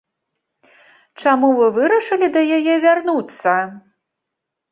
Чаму вы вырашылі да яе вярнуцца?